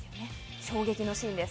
衝撃のシーンです。